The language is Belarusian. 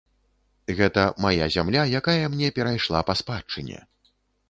Гэта мая зямля, якая мне перайшла па спадчыне.